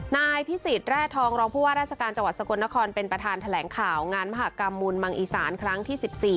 นายพิสิทธิแร่ทองรองผู้ว่าราชการจังหวัดสกลนครเป็นประธานแถลงข่าวงานมหากรรมมูลมังอีสานครั้งที่๑๔